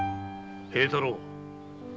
平太郎。